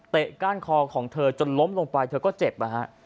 ก้านคอของเธอจนล้มลงไปเธอก็เจ็บนะฮะ